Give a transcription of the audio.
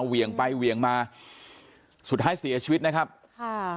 เหวี่ยงไปเหวี่ยงมาสุดท้ายเสียชีวิตนะครับค่ะ